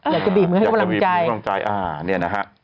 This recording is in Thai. อยากจะบีบมือให้กำลังใจ